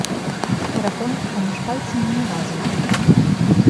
Перапонкі паміж пальцамі не развітыя.